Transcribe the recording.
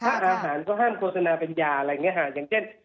ถ้าอาหารก็ห้ามโปรดสนาเป็นยาอย่างเช่น